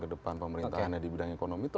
ke depan pemerintahannya di bidang ekonomi itu